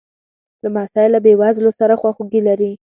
لمسی له بېوزلو سره خواخوږي لري.